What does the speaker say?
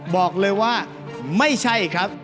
บอกเลยว่าไม่ใช่ครับ